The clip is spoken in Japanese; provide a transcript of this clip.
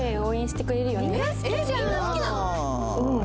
うん。